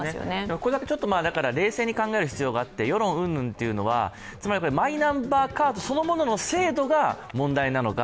ここだけ冷静に考える必要があって世論云々というのはつまりマイナンバーカードの制度のそのものが問題なのか、